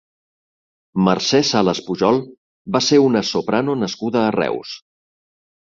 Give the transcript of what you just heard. Mercè Salas Pujol va ser una soprano nascuda a Reus.